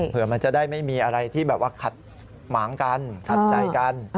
เพื่อมันจะได้ไม่มีอะไรที่แบบว่าขัดหมางกันขัดใจกัน